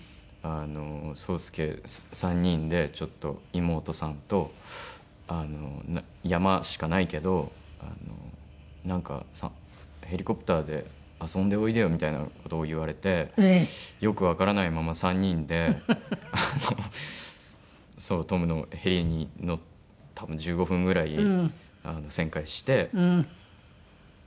「壮亮３人でちょっと妹さんと山しかないけどなんかヘリコプターで遊んでおいでよ」みたいな事を言われてよくわからないまま３人でトムのヘリに多分１５分ぐらい旋回してっていう。